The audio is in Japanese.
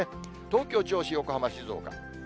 東京、銚子、横浜、静岡。